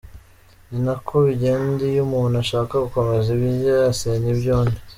Ni na ko bigenda iyo umuntu ashaka gukomeza ibye, asenya iby’undi.